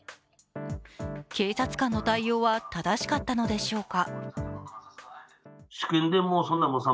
警察官の対応は正しかったのでしょうか。